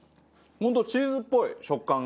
本当チーズっぽい食感が。